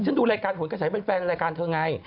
ฉันดูรายการโหกระชัยเป็นแฟนรายการเธอไง